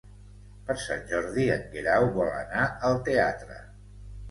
Per Sant Jordi en Guerau vol anar al teatre.